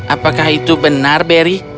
apakah itu benar berry